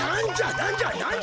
なんじゃ？